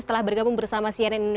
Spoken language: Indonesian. selamat malam mas diki